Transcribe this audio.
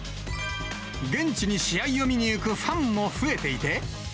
現地に試合を見に行くファンも増えていて。